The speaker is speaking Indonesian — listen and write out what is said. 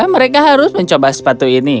mereka harus mencoba sepatu ini